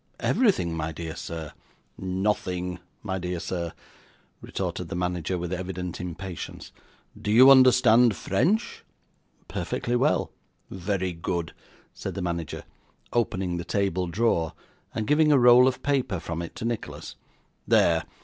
'Everything, my dear sir.' 'Nothing, my dear sir,' retorted the manager, with evident impatience. 'Do you understand French?' 'Perfectly well.' 'Very good,' said the manager, opening the table drawer, and giving a roll of paper from it to Nicholas. 'There!